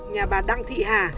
nhà bà đăng thị hà